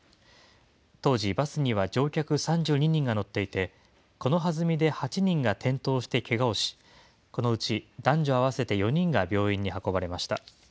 当時、バスには乗客３２人が乗っていて、このはずみで８人が転倒してけがをし、このうち男女合わせて４人が病院に運ばれました。